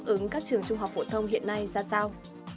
ứng các trường trung học phổ thông hiện nay ra sao